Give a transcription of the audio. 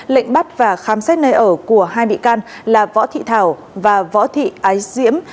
lệnh bắt và khám xét nơi ở của hai bị can là võ thị thảo và võ thị ái diễm